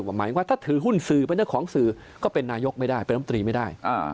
หมายถึงว่าถ้าถือหุ้นสื่อเป็นเจ้าของสื่อก็เป็นนายกไม่ได้เป็นรัฐมนตรีไม่ได้